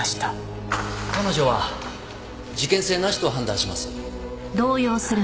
彼女は事件性なしと判断します。